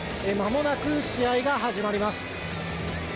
まもなく試合が始まります。